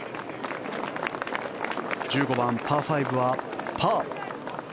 １５番、パー５はパー。